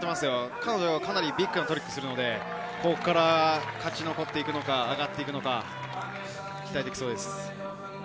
彼女はビッグなトリックをするので、勝ち残っていくのか、上がっていくのか、期待できそうです。